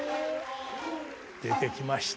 出てきました。